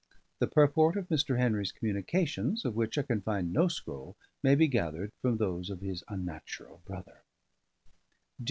The purport of Mr. Henry's communications, of which I can find no scroll, may be gathered from those of his unnatural brother.